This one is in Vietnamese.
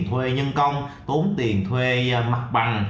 thuê nhân công tốn tiền thuê mặt bằng